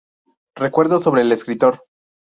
Recuerdos sobre el escritor".